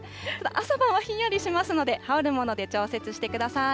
朝晩はひんやりしますので、羽織るもので調節してください。